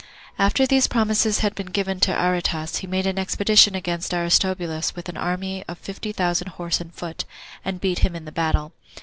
1. After these promises had been given to Aretas, he made an expedition against Aristobulus with an army of fifty thousand horse and foot, and beat him in the battle.